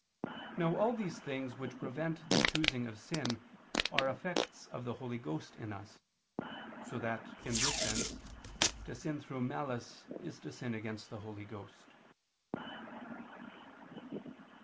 Now all these things which prevent the choosing of sin are effects of the Holy Ghost in us; so that, in this sense, to sin through malice is to sin against the Holy Ghost.